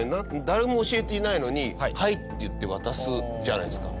誰も教えていないのに「はい」っていって渡すじゃないですか。